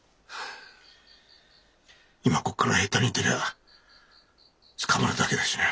今ここから下手に出りゃ捕まるだけだしな。